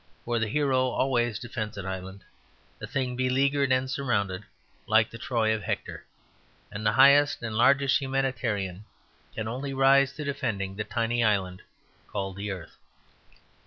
For the hero always defends an island, a thing beleaguered and surrounded, like the Troy of Hector. And the highest and largest humanitarian can only rise to defending the tiny island called the earth.